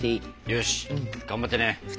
よし頑張ってね。